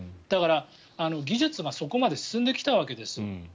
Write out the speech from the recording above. だから、技術がそこまで進んできたわけです。